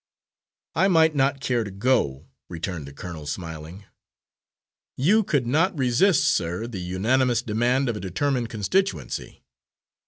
"I might not care to go," returned the colonel, smiling. "You could not resist, sir, the unanimous demand of a determined constituency.